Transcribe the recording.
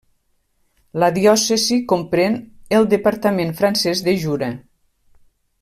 La diòcesi comprèn el departament francès de Jura.